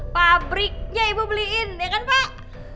pabriknya ibu beliin ya kan pak